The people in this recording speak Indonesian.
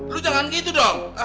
lo jangan gitu dong